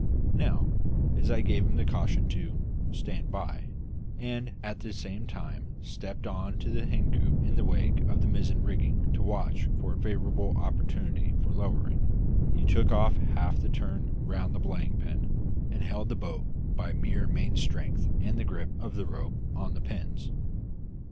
Now, as I gave him the caution to "stand by," and at the same time stepped on to a hen coop in the wake of the mizzen rigging to watch for a favourable opportunity for lowering, he took off half the turn round the belaying pin, and held the boat by mere main strength and the grip of the rope on the pins.